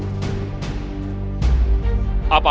pembantu perangkan kota